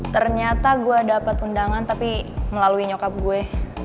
ternyata gue dapat undangan tapi melalui nyokap gue